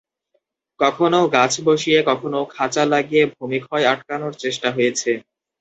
কখনও গাছ বসিয়ে, কখনও খাঁচা লাগিয়ে ভূমিক্ষয় আটকানোর চেষ্টা হয়েছে।